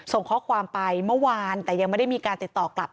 ส่งข้อความไปเมื่อวานแต่ยังไม่ได้มีการติดต่อกลับ